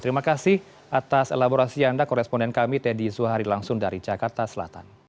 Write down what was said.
terima kasih atas elaborasi anda koresponden kami teddy zuhari langsung dari jakarta selatan